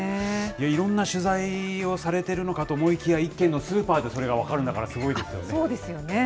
いろんな取材をされてるのかと思いきや、一軒のスーパーでそれが分かるんだから、すごいですよね。